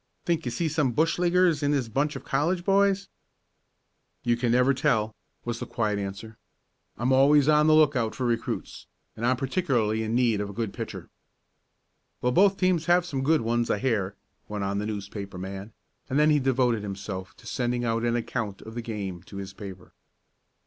"Think you see some bushleaguers in this bunch of college boys?" "You never can tell," was the quiet answer. "I'm always on the lookout for recruits, and I'm particularly in need of a good pitcher." "Well, both teams have some good ones I hear," went on the newspaper man, and then he devoted himself to sending out an account of the game to his paper.